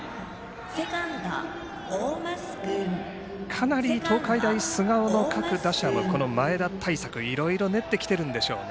かなり、東海大菅生の各打者はこの前田対策、いろいろ練ってきてるんでしょうね。